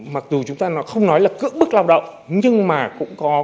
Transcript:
mặc dù chúng ta không nói là cưỡng bức lao động